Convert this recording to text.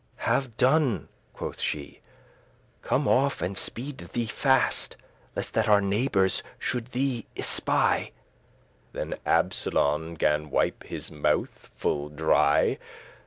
"Have done," quoth she, "come off, and speed thee fast, Lest that our neighebours should thee espy." Then Absolon gan wipe his mouth full dry.